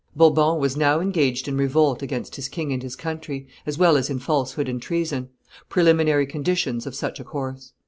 Bourbon was now engaged in revolt against his king and his country, as well as in falsehood and treason preliminary conditions of such a course.